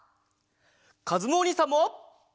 かずむおにいさんも！